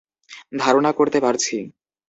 ধারণা করতে পারছি।